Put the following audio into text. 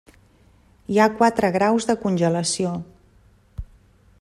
Hi ha quatre graus de congelació.